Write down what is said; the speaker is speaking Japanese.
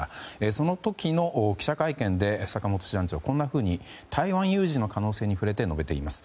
その時の記者会見で坂本師団長はこんなふうに台湾有事の可能性に触れて述べています。